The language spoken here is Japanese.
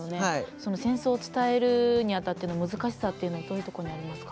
その戦争を伝えるにあたっての難しさっていうのはどういうとこにありますかね。